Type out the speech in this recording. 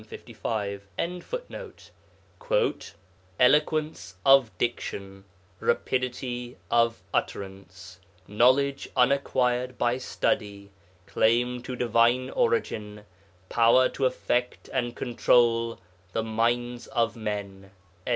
] 'Eloquence of diction, rapidity of utterance, knowledge unacquired by study, claim to divine origin, power to affect and control the minds of men.'